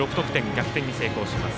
逆転に成功します。